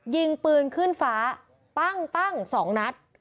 ยิงปืนขึ้นฟ้าปั้ง๒นัด